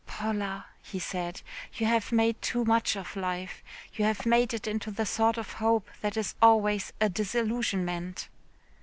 "Paula," he said, "you have made too much of life. You have made it into the sort of hope that is always a disillusionment."